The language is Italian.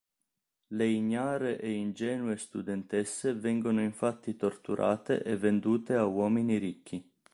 Le ignare e ingenue studentesse vengono infatti torturate e vendute a uomini ricchi.